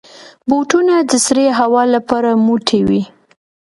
بوټونه د سړې هوا لپاره موټی وي.